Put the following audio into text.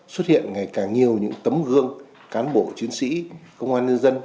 xuất hiện ngày càng nhiều những tấm gương cán bộ chiến sĩ công an nhân dân